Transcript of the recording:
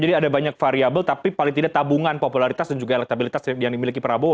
jadi ada banyak variable tapi paling tidak tabungan popularitas dan juga elektabilitas yang dimiliki prabowo